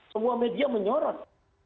semua media menyorot